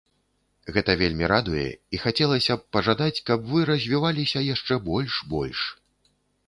Гэта вельмі радуе, і хацелася б пажадаць, каб вы развіваліся яшчэ больш-больш.